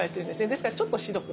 ですからちょっと白く。